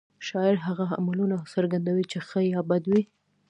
شاعر هغه عملونه څرګندوي چې ښه یا بد وي